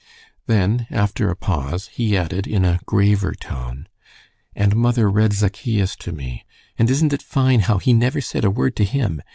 Then, after a pause, he added, in a graver tone, "And mother read Zaccheus to me. And isn't it fine how He never said a word to him?"